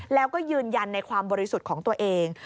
แล้วก็ยืนยันในความบริสุทธิ์ของตัวเอง